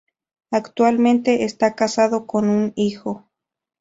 Actualmente está casado con un hijo.